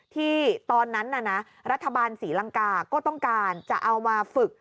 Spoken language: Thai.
ที่ตอนนั้นน่ะนะรัฐบาลศรีลังกาก็ต้องการจะเอามาฝึก